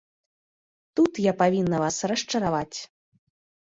Тут я павінна вас расчараваць.